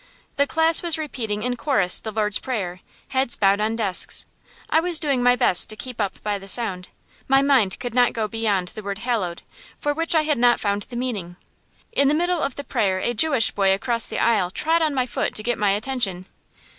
The class was repeating in chorus the Lord's Prayer, heads bowed on desks. I was doing my best to keep up by the sound; my mind could not go beyond the word "hallowed," for which I had not found the meaning. In the middle of the prayer a Jewish boy across the aisle trod on my foot to get my attention.